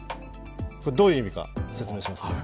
これどういう意味か説明しますね。